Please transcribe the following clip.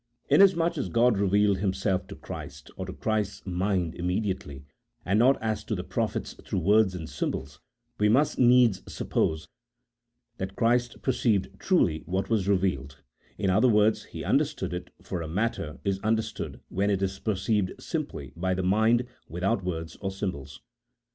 Inasmuch as God revealed Himself to Christ, or to Christ's mind imme diately, and not as to the prophets through words and symbols, we must needs suppose that Christ perceived truly what was revealed, in other words, He understood it, for a matter is understood when it is perceived simply by the mind without words or symbols.